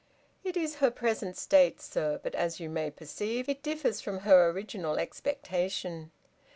"It is her present state, sir. But, as you may perceive, it differs from her original expectation.